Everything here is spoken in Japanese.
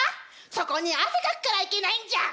そこに汗かくからいけないんじゃん！